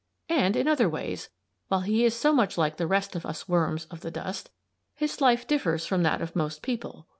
And, in other ways, while he is so much like the rest of us worms of the dust, his life differs from that of most people.